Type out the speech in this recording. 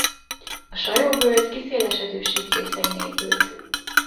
A Sajó-völgy kiszélesedő sík részein épült.